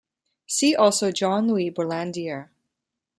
See also Jean-Louis Berlandier.